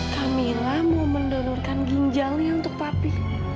kamilah mau mendonorkan ginjalnya untuk papi